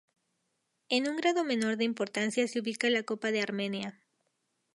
En un grado menor de importancia se ubica la Copa de Armenia.